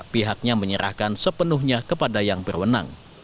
pihaknya menyerahkan sepenuhnya kepada yang berwenang